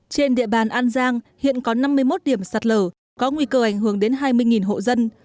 trên địa bàn an giang hiện có năm mươi một điểm sạt lở có nguy cơ ảnh hưởng đến hai mươi hộ dân